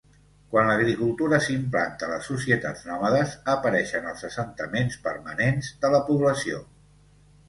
Quan l’agricultura s'implanta a les societats nòmades, apareixen els assentaments permanents de la població.